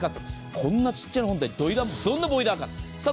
こんな小さいのでどんなボイラーか。